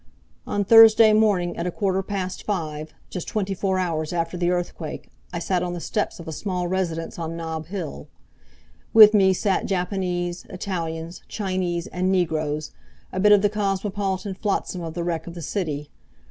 On Thursday morning at a quarter past five, just twenty four hours after the earthquake, I sat on the steps of a small residence on Nob Hill. With me sat Japanese, Italians, Chinese, and negroes–a bit of the cosmopolitan flotsam of the wreck of the city.